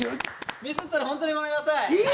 ミスったら本当にごめんなさい！